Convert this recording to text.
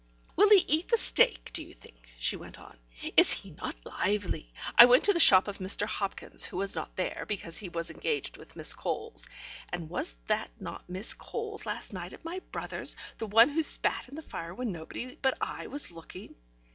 ... "Will he eat the steak, do you think?" she went on. "Is he not lively? I went to the shop of Mr. Hopkins, who was not there, because he was engaged with Miss Coles. And was that not Miss Coles last night at my brother's? The one who spat in the fire when nobody but I was looking?